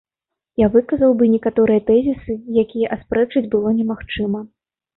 Я выказаў бы некаторыя тэзісы, якія аспрэчыць было немагчыма.